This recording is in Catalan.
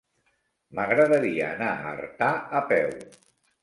M'agradaria anar a Artà a peu.